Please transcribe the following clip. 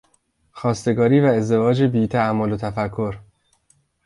خواستگاری و ازدواج بی تامل و تفکر